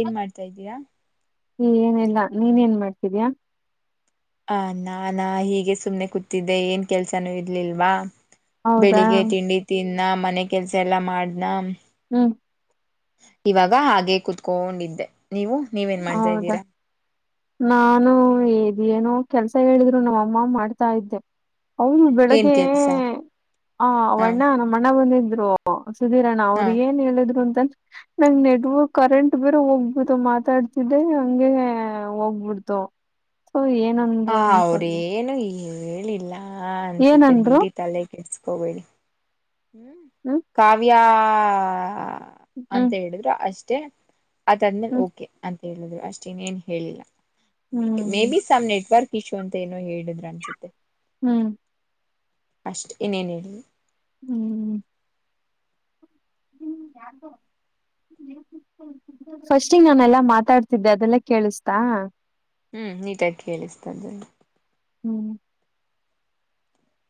ಏನ್ ಮಾಡ್ತಾ ಇದಿಯಾ ಹ ಏನೀಲ್ಲಾ ನೀನ್ ಏನ್ ಮಾಡ್ತಿದಯ ಹ ನಾನಾ ಹೀಗೆ ಸುಮ್ನೆ ಕೂತಿದ್ದೆ ಏನ್ ಕೆಲ್ಸಾನೂ ಇರ್ಲಿಲ್ವಾ. ಹೌದಾ ಬೆಳಿಗ್ಗೆ ತಿಂಡಿ ತಿಂದನ ಮನೆ ಕೆಲ್ಸ ಎಲ್ಲಾ ಮಾಡ್ನ ಹ್ಮ ಇವಾಗ ಹಾಗೆ ಕುೂತ್ಕೊಂಡಿದ್ದೆ ನೀವು ನೀವೇನ್ ಮಾಡ್ತಾ ಹೌದಾ ಇದ್ದೀರಾ. ನಾನು ಇದೇ ಏನೋ ಕೆಲ್ಸ ಹೇಳಿದ್ರು ನಮ್ಮ ಅಮ್ಮ ಮಾಡ್ತಾ ಇದ್ದೆ. ಹೌದು ಏನ್ ಬೆಳಿಗ್ಗೆ ಕೆಲ್ಸ ಆ ಹ ವಣ್ಣ ನಮ್ಮ ಅಣ್ಣ ಬಂದಿದ್ರು ಸುಧೀರಣ್ಣ ಹ ಅವ್ರು ಏನ್ ಹೇಳಿದ್ರು ಅಂತಂದ್ರ ನಂಗ್ ನೆಟ್ವರ್ಕ್ ಕರೆಂಟ್ ಬೇರ ಹೋಗ್ಬದು ಮಾತ್ರ ಮಾತಾಡ್ತಿದ್ರೆ ಹಂಗೆ ಹೋಗ್ಬಿಡ್ತು ಸೊ ಹಾ ಏನಂದ್ರು ಅನ್ಕೊಂಡು ಅವ್ರೇಏನು ಹೇಳಿಲ್ಲಾ ಅನ್ಸುತ್ತೆ ಏನಂದ್ರು ಬಿಡಿ ತಲೆ ಕೆಡಸ್ಕೋಬೇಡಿ ಹ್ಮ್ ಕಾವ್ಯಾ ಅಂತ ಹ್ಮ್ ಹೇಳಿದ್ರು ಅಷ್ಟೆ. ಅದ ಆದ್ಮೇಲೆ ಹ್ಮ್ ಓಕೆ ಅಂತ ಹೇಳಿದ್ರು ಅಷ್ಟೇನೇನ್ ಹೇಳಿಲ್ಲ ಮೇ ಹ್ಮ್ ಬಿ ಸಮ್ ನೆಟ್ವರ್ಕ್ ಪಶು ಅಂತ ಏನೋ ಹೇಳಿದ್ರ ಅನ್ಸುತ್ತೆ ಹ್ಮ್ ಅಷ್ಟ ಇನೇನ್ ಹೇಳಿ ಹ್ಮ್ ಹ್ಮ್ ಯಾರದ ಫಸ್ಟಿಂಗ ನಾನೆಲ್ಲಾ ಮಾತಾಡ್ತಿದ್ದೆ ಅದೆಲ್ಲ ಕೇಳಿಸ್ತಾ ಹ್ಮ್ ನೀಟಾಗಿ ಕೇಳಿಸ್ತಾದ ಹ್ಮ್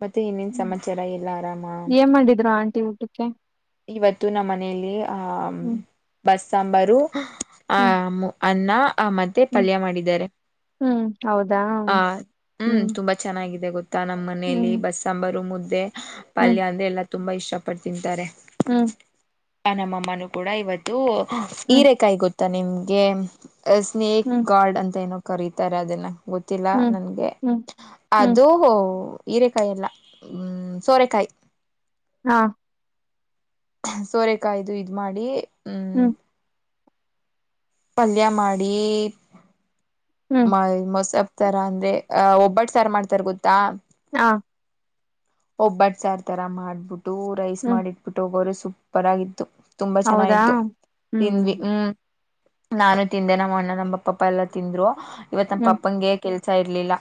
ಮತ್ತೆ ಇನ್ನೇನ್ ಸಮಾಚಾರ ಎಲ್ಲ ಆರಾಮ ಏನ್ ಮಾಡಿದ್ರು ಆಂಟಿ ಊಟಕ್ಕೆ ಇವತ್ತು ನಮ್ಮ ಮನೆಯಲ್ಲಿ ಆಹ ಹ್ಮ್ ಬಸ್ ಸಾಂಬಾರು ಆ ಹ್ಮ್ ಅನ್ನಾ ಆ ಮತ್ತೆ ಹ್ಮ್ ಪಲ್ಯ ಮಾಡಿದ್ದಾರೆ ಹ್ಮ್ ಹೌದಾ ಆ ಹ್ಮ್ ತುಂಬಾ ಚೆನ್ನಾಗಿದೆ ಗೊತ್ತ ನಮ್ಮ್ ಮನೆಯಲ್ಲಿ ಹ್ಮ್ ಬಸ್ ಸಾಂಬಾರ ಮುದ್ದೆ ಹ್ಮ್ ಪಲ್ಯ ಅಂದ್ರೆ ಎಲ್ಲಾ ತುಂಬಾ ಇಷ್ಟಪಟ್ಟ ತಿಂತಾರೆ. ಹ್ಮ್ ಆ ನಮ್ಮಅಮ್ಮನುೂ ಕೂಡ ಇವತ್ತು ಹ್ಮ್ ಹಿರೆೇಕಾಯಿ ಗೊತ್ತಾ ನಿಮ್ಗೆ ಸ್ನೇಕ್ ಹ್ಮ್ ಗಾರ್ಡ್ ಅಂತ ಏನೋ ಕರೀತಾರೆ ಅದನ್ನ ಗೊತ್ತಿಲ್ಲ ಹ್ಮ್ ನನ್ಗೆ ಹ್ಮ್ ಹ್ಮ್ ಅದುೂ ಹೊ ಹೀರೆಕಾಯ ಎಲ್ಲ ಹ್ಮ ಸೋರೆಕಾಯಿ ಹಾ ಸೋರೆಕಾಯ್ದು ಇದ್ ಮಾಡಿ ಹ್ಮ್ ಪಲ್ಯ ಮಾಡಿ ಹ್ಮ್ ಮ ಮೊಸ ತರ ಅಂದ್ರೆ ಅ ಒಬ್ಬಟ್ಟು ಸಾರ್ ಮಾಡ್ತಾರ ಗೊತ್ತಾ ಹಾ ಒಬ್ಬಟ್ ಸಾರ್ ತರ ಮಾಡ್ಬಿಟ್ಟು ರೈಸ್ ಹ್ಮ್ ಮಾಡಿಟ್ಬಿಟ್ಟು ಹೋಗೋರೆ ಸೂಪರ್ ಆಗಿತ್ತು ತುಂಬಾ ಹೌದಾ ಚೆನ್ನಾಯ್ತು ಹ್ಮ್ ತಿಂದ್ವಿ ಹ್ಮ್ ನಾನು ತಿಂದೆ ನಮ್ಮ ಅಣ್ಣ ನಮ್ಮಪ್ಪಪ್ಪ ಎಲ್ಲಾ ತಿಂದ್ರು ಇವತ್ ನಮ್ಮ ಹ್ಮ್ ಪಪ್ಪಂಗೆ ಕೆಲ್ಸ ಇರ್ಲಿಲ್ಲ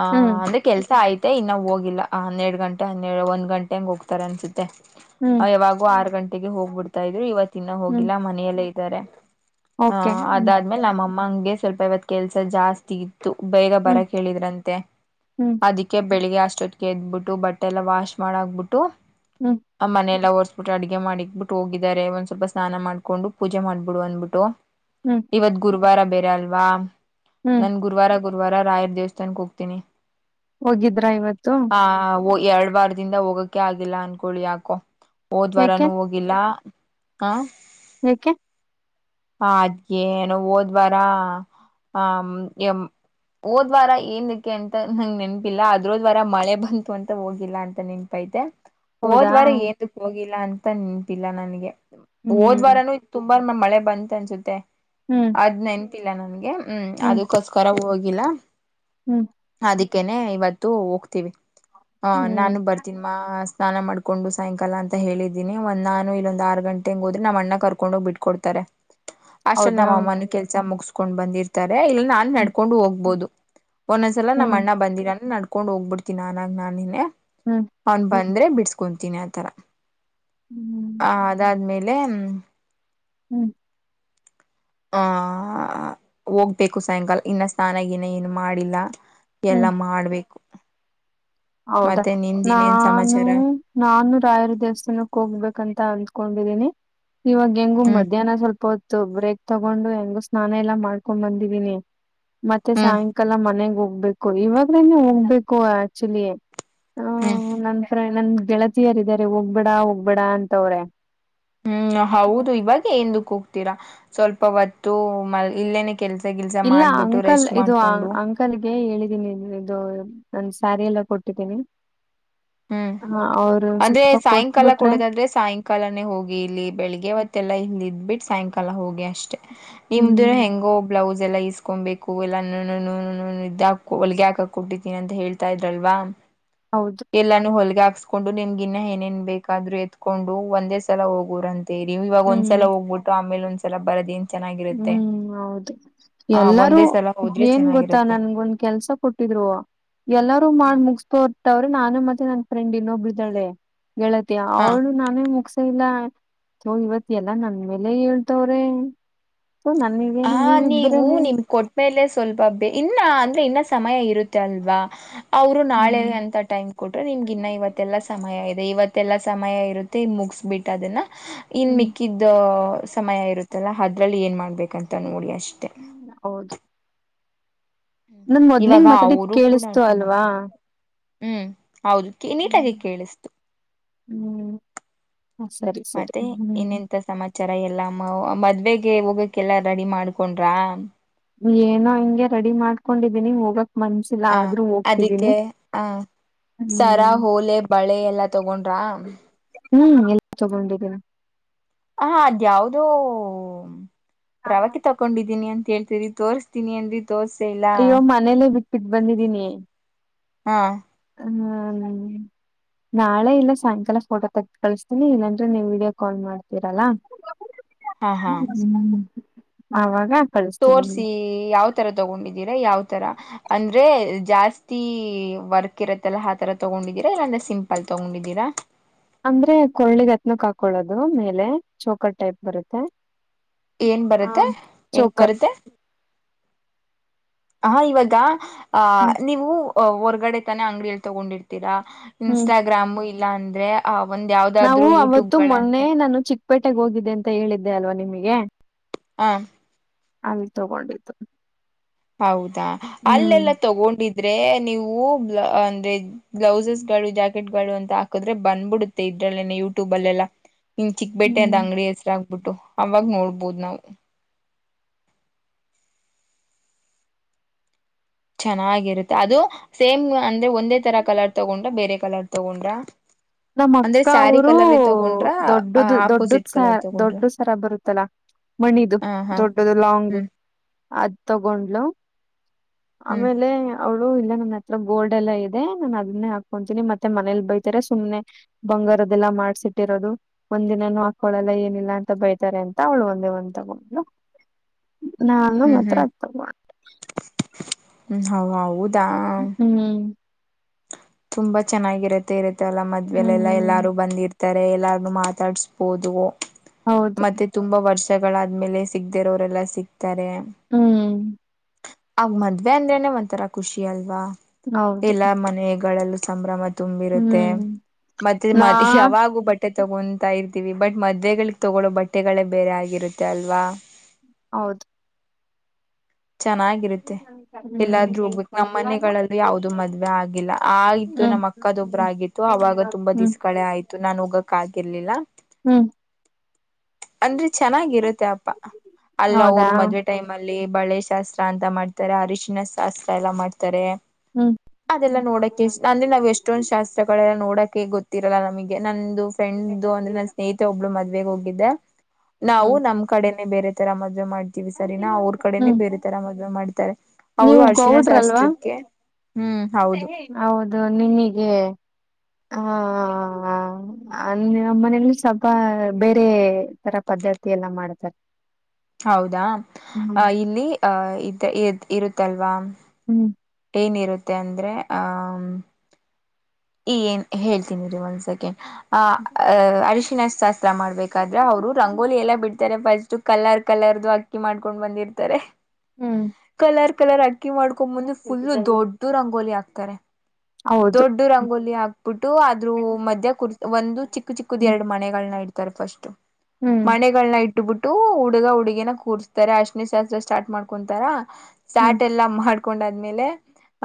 ಹ ಹ್ಮ್ ಅಂದ್ರೆ ಕೆಲ್ಸ ಆಯತೆ ಇನ್ನ ಹೋಗಿಲ್ಲ ಹನ್ನೆರಡ್ ಗಂಟೆ ಹನ್ನೆರಡು ಒಂದ್ ಗಂಟೆ ಹಂಗ್ ಹೋಗ್ತಾರೆ ಅನ್ಸುತ್ ತ್ತೆ ಹ್ಮ್ ಯಾವಾಗು ಆರ್ ಗಂಟೆಗೆ ಹೋಗ್ಬಿಡ್ತಾ ಇದ್ರು ಇವತ್ ಇನ್ನ ಹ್ಮ್ ಹೋಗಿಲ್ಲಾ ಮನೆಯಲ್ಲೇ ಇ ಇದಾರೆ ಹ ಓಕೆ ಹ್ಮ್ ಅದಾದ್ಮೇಲೆ ನಮ್ಮಮ್ಮಂಗೆ ಸ್ವಲ್ಪ ಯಾವತ್ ಕೆಲ್ಸ ಜಾಸ್ತಿ ಇತ್ ಬೇಗ ಬರ ಹ್ಮ್ ಕೇಳಿದ್ರಂತೆ ಹ್ಮ್ ಅದಕ್ಕೆ ಬೆಳಿಗ್ಗೆ ಆ ಅಸ್ಟೋತ್ಗೆ ಎದ್ಬಿಟ್ಟು ಬಟ್ಟೆ ಎಲ್ಲ ವಾಶ್ ಮಾಡ್ ಹಾಕ್ಬಿಟ್ಟು ಹ್ಮ್ ಆ ಮನೆ ಎಲ್ಲ ಬಿಟ್ಟು ಅಡ್ಗೆ ಮಾಡಿಕ್ಬಿಟ್ಟು ಹೋಗಿದ್ದಾರೆ ಒಂದ್ ಸ್ವಲ್ಪ ಸ್ನಾನ ಮಾಡ್ಕೊಂಡು ಪೂಜೆ ಮಾಡ್ಬಿಡು ಅಂದ್ಬಿಟ್ಟು ಹ್ಮ್ ಇವತ್ ಗುರ್ವಾರ ಬೇರೆ ಅಲ್ವಾ ಹ್ಮ್ ನನ್ ಗುರ್ವಾರ ಗುರ್ವಾರ ರಾಯರ್ ದೇವಸ್ಥಾನಕ್ ಹೋಗ್ತೀನಿ ಹೋಗಿದ್ರಾ ಇವತ್ತು ಆ ಎರಡ್ ವಾರದಿಂದ ಹೋಗಕ್ಕೆ ಆಗಿಲ್ಲ ಅನ್ಕೊಳ್ಳಿ ಯಾಕೋ ಹೋದ್ ವಾರನು ಹೋಗಿಲ್ಲ ಹಾ ಏಕೆ ಹ ಅದ್ಗೆ ಏನೋ ಹೋದ್ವಾರ ಹ ಮ್ ಎಮ್ ಹೋದ್ ವಾರ ಏನ್ಕ್ಕೆ ಅಂತ ನಂಗ ನೆನಪಿಲ್ಲ ಅದ್ರೋದ್ ವಾರ ಮಳೆ ಬಂತು ಅಂತ ಹೋಗಿಲ್ಲ ಅಂತ ನೆನ್ಪೈತೆ ಹೌದಾ ಹೋದ್ವಾರ ಏತಕ್ ಹೋಗಿಲ್ಲ ಅಂತ ನೆನ್ಪಿಲ್ಲ ನನಗೆ ಹ್ಮ್ ಹೋದ್ವಾರನು ತುಂಬ್ ಮಳೆ ಬಂತ್ ಅನ್ಸುತ್ತೆ ಹ್ಮ್ ಅದ್ ನೆನ್ಪಿಲ್ಲ ನನ್ಗೆ ಹ್ಮ್ ಅದಕ್ಕೋಸ್ಕರ ಹೋಗ್ ಗಿಲಾ ಹ್ಮ್ ಅಕೇನೆ ಇವತ್ತು ಹೋಗ್ತೀವಿ ಹ ಹ್ಮ್ ನಾನು ಬರ್ತೀನ್ ಮಾ ಸ್ನಾನ ಮಾಡ್ಕೊಂಡು ಸಾಯಂಕಾಲ ಅಂತ ಹೇಳಿದೀನಿ ಒಂದ್ ನಾನು ಇಲ್ಲೊಂದ್ ಆರು ಗಂಟೆಗೆ ಹೋದ್ರೆ ನ್ ಅಣ್ಣ ಕರ್ಕೊಂಡು ಹೋಗಿ ಬಿಟ್ ಕೊಡ್ತಾರೆ ಅಸ್ಟ್ರೇಲ್ ಹೌದಾ ನಮ್ಮ ಅಮ್ಮನು ಕೆಲ್ಸ ಮುಗಿಸ್ಕೊಂಡ್ ಬಂದಿರ್ತಾರೆ ಇಲ್ಲ ನಾನ್ ಹ್ಮ್ ನಡ್ಕೊಂಡು ಹೋಗ್ಬೋದು ಒಂದೊಂದ್ಸಲ ನಮ್ಮ ಹ್ಮ್ ಅಣ್ಣ ಬಂದಿರಲ ನಡ್ಕೊಂಡ್ ಹೋಗ್ಬಿಡ್ತೀನಿ ನ ನಾನೇನೆ ಹ್ಮ್ ಅವ್ನ್ ಬಂದ್ ಅಂದ್ರೆ ಬಿಡ್ಸ್ಕೊತೀನಿ ಆತರ ಹ್ಮ್ ಆ ಅದಾದ್ಮೇಲೆ ಹ್ಮ್ ಹ್ಮ್ ಹ ಹೋಗ್ಬೇಕು ಸಾಯಂಕಾಲ ಇನ್ನ ಸ್ನಾನ ಗಿನ ಏನು ಮಾಡಿಲ್ಲ ಎಲ್ಲ ಹ್ಮ್ ಮಾಡ್ಬೇಕು ಹೌದಾ ಮತ್ತೆ ನಿಮ್ದಿನೇನ್ ನಾನು ಸಮಾಚಾರ ನಾನು ರಾಯರ ದೇವಸ್ಥಾನಕ್ ಹೋಗ್ಬೇಕಂತ ಅ ಹಕೊಂಡಿದೀನಿ ಇವಾಗ ಹೆಂಗು ಹ್ಮ್ ಮಧ್ಯಾಹ್ನ ಸ್ವಲ್ಪ ಹೊತ್ತು ಬ್ರೇಕ್ ತಗೊಂಡು ಹೆಂಗೊ ಸ್ನಾನ ಎಲ್ಲಾ ಮಾಡ್ಕೊಂಡ್ ಬಂದಿದೀನಿ ಮತ್ತೆ ಹ್ಮ್ ಸಾಯಂಕಾಲ ಮನೆಗ್ ಹೋಗ್ ಹೋಗ್ಬೇಕು ಇವಾಗ್ಲೇನೆ ಹೋಗ್ಬೇಕು ಆಕ್ಚುಲಿ ಆ ಹ್ಮ್ ನಂತರ ನನ್ ಗೆಳತಿಯರ್ ಇದಾರೆ ಹೋಗ್ಬೇಡ ಹೋಗ್ಬೇಡ ಅಂತವ್ರೆ ಹ್ಮ್ ಹೌದು ಇವಾಗ ಎಂದಕ್ ಹೋಗ್ತೀರಾ ಸ್ವಲ್ಪ ಹೊತ್ತು ಮ ಇಲ್ಲೇನೆ ಕೆಲ್ಸ ಗಿಲ್ಸ ಇಲ್ಲ ಮಾಡ್ಬಿಟ್ಟು ಅಂಕಲ್ ರೆಸ್ಟ್ ಇದು ಮಾಡ್ಕೊಂಡು ಅಂಕಲ್ಗೆ ಹೇಳಿದ್ ನಿ ಇದು ನನ್ ಸ್ಯಾರಿ ಎಲ್ಲಾ ಕೊಟ್ಟಿದ್ದೀನಿ ಹ್ಮ್ ಹಾ ಅಂದ್ರೆ ಸಾಯಂಕಾಲ ಕೊಡೋದಾದ್ರೆ ಸಾಯಂಕಾಲನೇ ಹೋಗಿ ಇಲ್ಲಿ ಬೆಳಿಗ್ಗೆವತ್ತೆಲ್ಲಾ ಇಲ್ಲ ಇದ್ ಬಿಟ್ ಸಾಯಂಕಾಲ ಹೋಗಿ ಅಷ್ಟೇ ನಿಮ್ದು ಹ್ಮ್ ಹೆಂಗೋ ಬ್ಲೌಸ್ ಎಲ್ಲಾ ಇಸ್ಕೊಬೇಕು ಎಲ್ಲ ಇದ್ದಾ [unintelligible] ಹೊಲ್ಗೆ ಹಾಕಕ್ ಕೊಟ್ಟಿದ್ದೀನಿ ಅಂತ ಹೇಳ್ತಾ ಇದ್ರಲ್ವಾ ಹೌದು ಎಲ್ಲಾನು ಹೊಲ್ಗೆ ಹಾಕ್ಸ್ಕೊಂಡು ನಿಮ್ಗಿನ್ನ ಏನೇನ್ ಬೇಕಾದ್ರು ಎತ್ಕೊಂಡು ಒಂದೇ ಸಲ ಹೋಗೋರಂತ್ ತಿರಿ ಇವಾಗ ಹ್ಮ್ ಒಂದ್ಸಲ ಹೋಗ್ಬಿಟ್ಟು ಆಮೇಲೆ ಒಂದ್ಸಲ ಬರದ್ ಏನ್ ಚೆನ್ನಾಗಿರುತ್ತೆ ಆ ಯಾರು ಒಂದೇ ಸಲ ಹೋದ್ರೆ ಏನ್ ಗೊತ್ತಾ ಚೆನ್ನಾಗಿರುತ್ತೆ ನನ್ಗೊಂದ್ ಕೆಲ್ಸ ಕೊಟ್ಟಿದ್ರು ಎಲ್ಲಾರೂ ಮಾಡ್ ಹ್ಮ್ ಮುಗಿಸ್ತೋರ್ತವ್ರೆ ನಾನು ಮತ್ ತ್ ನನ್ ಫ್ರೆಂಡ್ ಇನ್ನೊಬ್ಲ್ ಇದಾಳೆ ಗೆಳತಿ ಹ ಅವ್ಳು ನಾನೇ ಮುಗಸೆ ಇಲ್ಲ ಸ ಇವತ್ ಎಲ್ಲಾ ನನ್ ಮೇಲೆ ಹೇಳ್ತವ್ರೆ ಥೋ ಹ ನನ್ಗೇನೆ ನೀವು ನೀವಿಬ್ರೇನೆ ನಿಮ್ ಕೊಟ್ಟ್ಮೇಲೆ ಸ್ವಲ್ಪ ಇನ್ನ ಅಂದ್ರೆ ಇನ್ನ ಸಮಯ ಇರುತ್ತೆ ಅಲ್ವಾ ಅವರು ನಾಳೆ ಹ್ಮ್ ಅಂತ ಟೈಮ್ ಕೊಟ್ರೆ ನಿಮ್ಗೆ ಇನ್ನ ಇವತ್ತೆಲ್ಲ ಸಮಯ ಇದೆ ಇವತ್ತೆಲ್ಲ ಸಮಯ ಇರುತ್ತೆ ಮುಗಿಸಸ್ಬಿಟ್ಟು ಅದನ್ನ ಇನ್ ಹ್ಮ್ ಮಿಕ್ಕಿದ್ದ ಸಮಯ ಇರುತ್ತಲ್ಲ ಅದ್ರಲ್ಲಿ ಏನ್ ಮಾಡ್ಬೇಕಂತ ನೋಡಿ ಅಷ್ಟೆ ಹೌ ಹ್ಮ್ ಇವಾಗ ಮೊದ್ಲಿಂಗ್ ಮಾತಾಡಿದ್ ಅವರು ಕೂಡ ಕೇಳಿಸ್ತು ಅರ್ಥ ಅಲ್ವಾ ಮಾಡ್ಕೊಬೇಕು ಹ್ಮ್ ಹೌದು ನೀಟಾಗಿ ಹ್ಮ್ ಕೇಳಿಸ್ತು ಹ್ಮ್ ಹ ಸರಿ ಸರಿ ಮತ್ತೆ ಹ್ಮ್ ಇನ್ನಂತ ಸಮಾಚಾರ ರ ಎಲ್ಲ ಮದ್ವೆೆಗೆ ಹೋಗಕ್ಕೆಲ್ಲ ರೆಡಿ ಮಾಡ್ಕೊಂಡ್ರ ಏನೋ ಹಿಂಗೆ ರೆಡಿ ಮಾಡ್ಕೊಂಡಿದ್ದೀನಿ ಹೋಗಕ್ ಮನ್ಸಿಲ್ಲ ಹ ಆದ್ರೂ ಹೋಗ್ತಿದ್ದೀನಿ ಅದಕ್ಕೆ ಆಹ ಸರ ಹ್ಮ್ ಹೋಲೆ ಬಳೆ ಎಲ್ಲ ತಗೊಂಡ ರಾಮ ಹ್ಮ್ ಎಲ್ಲ ತಗೊಂಡಿದ್ದೀನ ಹ ಅದ ಯಾವ್ದೋ ರವಾಕ್ಕೆೆ ತಕೊಂಡಿದ್ದೀನಿ ಅಂತ ಹೇಳ್ತೀರಿ ತೋರ್ ತಣಿಯಂದರಿ ದೋಸೆೆೆಯಲಾ ಬಿಟ್ಟು ಬಂದಿದೀನಿ ಹಾ ಹ್ ನಾಳೆ ಇಲ್ಲ ಸಾಯಂಕಾಲ ಫೋಟೋ ತಗ ಕಳಿಸತೀನಿ ಇಲ್ಲಾಂದ್ರೆ ನೀವು ವೀಡಿಯೋ ಕಾಲ್ ಮಾಡ್ತೀರಲ್ಲಾ ಹ್ಮ ಹಾ ಹಾ ಅವಾಗ ಕಳಿಸ್ತೀನಿ ತೋರ್ಸಿ ನಿಮ್ಗೆ. ಯಾವ ತರ ತಗೊಂಡಿದಿ ಯಾವ ತರ ಅಂದ್ರೆ ಜಾಸ್ತಿ ವರ್ಕ್ ಇರತ್ತಲ್ಲ ಆ ತರ ತಗೊಂಡಿದೀರಾ ಇಲ್ಲಾಂದ್ರೆ ಸಿಂಲ್ ಅಂದ್ರೆ ಕಳ್ಳಿಗತ್ನ ಕಾಕೊಳ್ಳೋದು ದು ಮೇಲೆ ಚೋಕರ್ ಟೈಪ್ ಬರುತ್ತೆ ಏನ್ ಆ ಬರುತ್ತೆ ಹೆಂಗ ಚೋಕರ್ ಬರುತ್ತೆ ಹ ಇವಾಗ ಅಹ ಹ್ಮ್ ನೀವು ಅ ಹೊರ್ಗಡೆ ತಾನೆ ಅಂಗಡಿಯಲ್ಲಿ ತಗೊಂಡಿರ್ತೀರಾ ಹ್ಮ್ ಇನ್ಸ್ಟಾಗ್ರಾಮು ಇಲ್ಲ ಅಂದ್ರೆ ಒಂದ್ ಯಾವ್ದಾದ್ರು ನಾವು ಅವತ್ತು ಯೂಟ್ಯೂಬ್ಗಳಂತ ಮೊನ್ನೆ ನಾನು ಚಿಕ್ಕಪೇಟೆಗೆ ಹೋಗಿದ್ದೆ ಅಂತ ಹೇಳಿದ್ದೆ ಅಲ್ವಾ ನಿಮಗೆ ಹಾ ಆ ತಗೊಂಡಿತ ಹೌದಾ ಅಲ್ಲೆಲ್ಲ ತಗೊಂಡಿದ್ರೆ ನೀವು ಅಂದ್ರೆ ಬ್ಲೌಸಸ್ ಗಳು ಜಾಕೆಟ್ ಗಳು ಅಂತ ಹಾಕದ್ರೆ ಬಂದ್ಬಿಡುತ್ತೆ ಇದ್ರಲ್ಲೆನೆ ಯೂಟ್ಯೂಬ್ ಅಲ್ಲೆಲ್ಲ ನಿಮ್ ಚಿಕ್ಕಬೇಟ್ಟೆ ಅದ ಹ್ಮ್ ಅಂಗಡಿ ಹೆಸರುಾಗಗ್ಬಿಟ್ಟು ಅವಾಗ ನೋಡ್ಬೋದು ನಾವು ಚೆನ್ನಾಗಿರುತ್ತೆ ಅದು ಸೇಮ್ ಅಂದ್ರೆ ಒಂದೇ ತರ ಕಲರ್ ತಗೊಂಡ್ರ ಬೇರೆ ಕಲರ್ ತಗೊಂಡ್ರ ನಮ್ಮ ಅಂದ್ರೆ ಅಕ್ಕ ಸ್ಯಾರಿ ಅವರುೂ ಕಲರ್ ತಗೊಂಡ್ರ ದೊಡ್ಡದ ದೊಡ್ಡದ ಆಪೋಸಿಟ್ ಸರ ಕಲರ್ ತಗೊಂಡ್ರ ದೊಡ್ಡ ಸರ ಬರುತ್ತಲ್ಲಾ ಮಣಿದು ಹ ಹಾ ದೊಡ್ಡದು ಲಾಂಗ್ ಹ್ಮ್ ಅದ್ ತಗೊಂಡ್ಲುು ಹ್ಮ್ ಆಮೇಲೆ ಅವಳು ಇಲ್ಲ ನನ್ನ ಹತ್ರ ಗೋಲ್ಡ್ ಎಲ್ಲಾ ಇದೆ ನಾನನ್ ಅದನ್ನೇ ಹಾಕೊತೀನಿ ಮತ್ತೆ ಮನೇಲಿ ಬೈತರ ಸುಮ್ನೆ ಬಂಗಾರದದೆಲ್ಲ ಮಾಡ್ಸಿಟ್ಟಿರೋದು ಒಂದಿನಾನೂ ಹಾಕಳಲ್ಲ ಏನಿಲ್ಲ ಅಂತ ಬೈತಾರೆ ಅಂತ ಅವಳು ಒಂದ ಅಂತಗ ಹ ನಾನು ಮಾತ್ರ ಅ ಮಾಡ ಹ್ಮ್ ಹೌ ಹೌದಾ ಹ್ಮ್ ತುಂಬಾ ಚೆನ್ನಾಗಿರತ್ತೆ ಇರುತ್ತೆ ಅಲ್ಲ ಮದ್ವೆಲೆ ಎಲ್ಲಾ ಹ್ಮ್ ಎಲ್ಲಾರು ಬಂದಿರ್ತ ಎಲ್ಲಾರ್ ಮಾತಾಡಸ್ಬೋದು ಹೌದು ಮತ್ತೆ ತುಂಬಾ ವರ್ಷ ಗಳಾದ್ಮೇಲೆ ಸಿಗ್ದೆರೋರೆಲ್ಲ ಸಿಗ್ತಾರೆ ಹ್ಮ್ ಆ ಮದ್ವೆ ಅಂದ್ರೇನೆ ಒಂಥರ ಖುಷಿ ಅಲ್ವಾ ಹೌದು ಎಲ್ಲ ಮನೆಗಳಲ್ಲೂ ಸಂಭ್ರಮ ತುಂಬಿರುತ್ತೆ ಹ್ಮ್ ಮತ್ತೆ ನಾ ಮ ಯಾವಾಗ ಬಟ್ಟೆ ತಗೊತಾ ಇರ್ತೀವಿ ಬಟ್ ಮದ್ವೆಗಳಿಗೆ ತಗೊಳೋ ಬಟ್ಟೆಗಳೇ ಬೇರೆ ಆಗಿರುತ್ತೆ ಅಲ್ವಾ ಹೌದು ಚೆನ್ನಾಗಿರುತ್ತೆ ಹ್ಮ್ ಎಲ್ಲಾದ್ರೂ ಹೋಗ್ಬೇಕು ನಮ್ಮ್ ಮನೆಗಳಲ್ಲಿ ಯಾವ್ದು ಮದ್ವೆ ಆಗಿಲ್ಲ ಆಯ್ತು ಹ್ಮ್ ನಮ್ಮ ಅಕ್ಕದೊಬ್ರ್ ಆಗಿತ್ತು ಅವಾಗ ತುಂಬಾ ದಿಸ್ಗಳೆ ಆಯ್ತು ನಾನ್ ಹೋಗಕ್ ಆಗಿರ್ಲಿಲ್ಲ ಹ್ಮ್ ಅಂದ್ರೆ ಚೆನ್ನಾಗಿರುತ್ತೆ ಅಪ್ಪಾ ಅಲ್ಲ್ ಹೌದಾ ಅವರು ಮದ್ವೆ ಟೈಮ್ ಅಲ್ಲಿ ಲೇ ಬಳೆ ಶಾಸ್ತ್ರ ಅಂತ ಮಾಡ್ತಾರೆ ಅರಿಶಿನ ಶಾಸ್ತ್ರ ಎಲ್ಲ ಮಾಡ್ತಾರೆ ಹ್ಮ್ ಅದೆಲ್ಲ ನೋಡಕ್ ಇಷ್ಟು ಅಂದ್ರೆ ನಾವು ಎಷ್ಟೊಂದ್ ಹ್ಮ್ ಶಾಸ್ತ್ರಗಳೆಲ್ಲಾ ನೋಡ ಗೊತ್ತಿರಲ್ಲ ನಮಗೆ ನನ್ ಫ್ರೆಂಡ್ ಅಂದ್ರೆ ನನ್ನ ಸ್ನೇಹಿತೆ ಒಬ್ಳು ಮದ್ವೆಗ್ ಹೋಗಿದ್ದೆ ನಾವು ಹ್ಮ್ ನಮ್ ಕಡೆನೆ ಬೇರೆ ತರ ಮದ ಮದ್ವೆ ಮಾಡ್ತೀವಿ ಸರಿನಾ ಅವ್ರ ಕಡೆನೆೇ ಬೇರೆ ತರ ಮದುವೆ ಮಾಡ್ತಾರೆ ಅವರು ನೀವು ಅರ್ಶಿಣ ಗೌಡ್ರಲ್ವಾ ಶಾಸ್ತ್ರಕ್ಕೆ ಹ್ಮ್ ಹೌದು ಹೌದು ನಿಮಿಗೆ ಹಾ ಅ ಮನೆಲಿ ಸ್ವಲ್ಪ ಬೇರೆ ತರ [unintelligible] [unintelligible] ಎಲ್ಲ ಮಾಡ್ತಾರೆ ಹೌದಾ ಅ ಹ್ಮ್ ಇಲ್ಲಿ ಹ ಇದ್ ಇ ಇರುತ್ತಲ್ವಾ ಹ್ಮ್ ಏನಿರುತ್ತೆ ಅಂದ್ರೆ ಹಾ ಈ ಏನ್ ಹೇಳ್ತನಿ ರೀ ಒಂದ್ ಸೆಕೆಂಡ್ ಆ ಅ [unintelligible] [unintelligible] ಮಾಡ್ಬೇಕಾದ್ರೆ ಅವರು ರಂಗೋಲಿ ಎಲ್ಲಾ ಬಿಡ್ತಾರೆ ಫಸ್ಟು ಕಲರ್ ಕಲರ್ದು ಅಕ್ಕಿ ಮಾಡ್ಕೊಂಡ್ ಬಂದಿರ್ತಾರೆ ಹ್ಮ್ ಕಲರ್ ಕಲರ್ ಅಕ್ಕಿ ಮಾಡ್ಕೊ ಬಂದು ಫುಲ್ಲು ದೊಡ್ಡು ರಂಗೋಲಿ ಆಕ್ತರೆ ಹೌದು ರಂಗೋಲಿ ಹಾಕ್ಬಿಟ್ಟು ಅದ್ರು ಮಧ್ಯ ಕುರ್ ಒಂದು ಚಿಕ್ಕ ಚಿಕ್ಕದು ಹ್ಮ್ ಎರಡು ಮನೆಗಳನ್ನ [unintelligible] ಫಸ್ಟ್ ಹ್ಮ್ ಮನೆಗಳನ [unintelligible] ಹುಡುಗ ಹುಡುಗಿನನ ಕೂರಿಸಸ್ತಾರೆ ಅಶ್ನಿ ಶಾಸ್ತ್ರ ಸ್ಟಾರ್ಟ ಮಾಡ್ಕೊಂತಾರ ಹ್ಮ್ ಶ್ಟಾರ್ಟಟೆಲ್ಲ ಮಾಡ್ಕೊಂಡಾದ್ಮೇಲೆ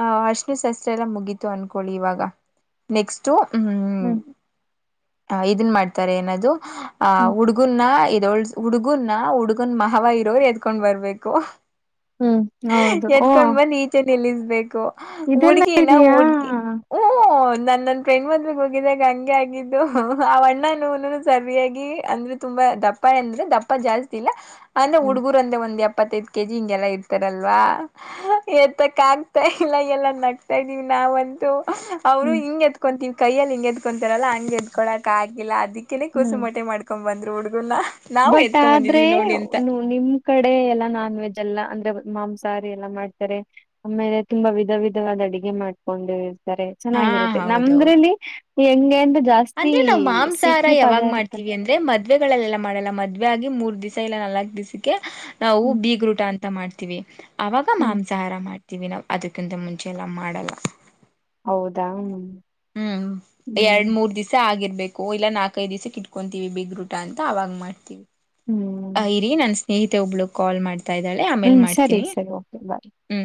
ಆಹ್ ಅರ್ಶ್ಣ ಶಸ್ತ್ರ ಎಲ್ಲ ಮುಗೀತು ಅನ್ಕೊಳ್ಳಿ ಇವಾಗ ನೆಕ್ಸ್ಟು ಹ್ಮ್ ಹ್ಮ್ ಹ ಇದನ್ ಮಾಡ್ತಾರೆ ಏನದು ಆ ಹ್ಮ್ ಹುಡುಗುನ್ನ ಹುಡುಗುನ ಹುಡುಗನ್ ಮವ ಇರೋರ್ ಎತ್ಕೊಂಡ್ ಬರ್ಬೇಕು ಹ್ಮ್ ಹೌದು ಓ ಎತ್ಕೊಂಡ್ ಬಂದ್ ಈಚೆ ನಿಲ್ಲಿಸ್ಬೇಕು ಇದೆಲ್ಲ ಹುಡ್ಗೀನ ಇದೆಯಾ ಹುಡ್ಗಿ ಹೂ ನನ್ ನನ್ ಫ್ರೆಂಡ್ ಮದಿಗೆ ಹೋಗಿದಾಗ ಹಂಗೆ ಆಗಿದ್ದು ಆವಣ್ಣನು ಸರಿಯಾಗಿ ತುಂಬಾ ದಪ್ಪ ಎಂದ್ರೆ ದಪ್ಪ ಜಾಸ್ತಿ ಇಲ್ಲ ಅಂದ್ರೆ ಹ್ಮ್ ಹುಡುಗುರು ಅಂದ್ರೆ ಒಂದ್ [unintelligible] ಯಪ್ಪತ್ತೈದ್ ಕೆ ಜಿ ಹಿಂಗೆಲ್ಲಾ ಇರ್ತಾರಲ್ವಾ ಎತಕ್ಕ ಆಗ್ತಾ ಇಲ್ಲ ಎಲ್ಲ ನಗ್ತಾ ಇದೀವಿ ನಾ [unintelligible] ಅವರು ಹ್ಮ್ ಹಿಂಗ್ ಎತ್ಕೊತೀವಿ ಕೈಯಲ್ಲಿ ಹಿಂಗೆ ಎದಕೊಂತಾರಲ್ಲ ಹಂಗ್ ಎತ್ಕೊಳಕ್ ಆಗಿಲ್ಲ ಅದಿಕ್ಕೆನೇ ಹ್ಮ್ ಕೂಸುಮಟೆ ಮಾಡ್ಕೊ ಬಂದ್ರು ಹುಡ್ಗನ ಬಟ್ ಆದ್ರೆ ನಿಮ್ ಕಡೆ ಎಲ್ಲ ನಾನ್ ವೆಜ್ ಅಲ್ಲ ಅಂದ್ರೆ ಮಾಂಸಹಾರಿ ಎಲ್ಲ ಮಾಡ್ತಾರೆ ಆಮೇಲೆ ತುಂಬಾ ವಿಧ ವಿಧವಾದ ಅಡಗೆ [unintelligible] ಹಾ ಚೆನ್ನಾಗಿರುತ್ತೆ ಹೌದೌದು ನಮ್ದ್ರಲ್ಲಿ ಹೆಂಗೆ [unintelligible] ಅಂದ್ರೆ ನಾವು ಮಾಂಸಾಹಾರ ಸಿಹಿ ಯಾವಾಗ್ ಪದಾರ್ಥ ಮಾಡ್ತೀವಿ ಅಂದ್ರೆ ಮದ್ವೆಗಳೆಲ್ಲ ಮಾಡಲ್ಲ ಮದ್ವೆೆಗಿ ಮೂರ್ ದಿಸ ಇಲ್ಲಾ ನಾಲ್ಕ್ ದಿಸಕ್ಕೆ ನಾವು ಹ್ಮ್ ಬೀಗ್ರೂಟಾ ಅಂತ ಮಾಡ್ತೀವಿ ಆವಾಗ ಹ್ಮ್ ಮಾಂಸಾಹಾರ ಮಾಡ್ತೀವಿ ನಾವು ಅದಕ್ಕಿಂತ ಮುಂಚೆಲ್ಲ ಮಾಡಲ್ಲ ಹೌದಾ ಹ್ಮ್ ಹ್ಮ್ ಎರಡ್ ಹ್ಮ್ ಮೂರ್ ದಿಸ್ ಆಗಿರ್ಬೇಕು ಇಲ್ಲ ನಾಲ್ಕೈದು ದಿವಸಕ್ಕೆ ಇಟ್ಕೊಂತೀವಿ ಬಿಗ್ರೂಟ ಅಂತ ಅವಾಗ ಮಾಡ್ತೀವಿ ಹ್ಮ್ ಇರಿ ನನ್ನ್ ಸ್ನೇಹಿತೆ ಒಬ್ಳು ಕಾಲ್ ಮಾಡ್ತಾ ಇದ್ದಾಳೆ ಆಮೇಲ್ ಹ್ಮ್ ಸರಿ ಮಾಡ್ತೀನಿ ಸರಿ ಓಕೆ ಬಾಯ್ ಹ್ಮ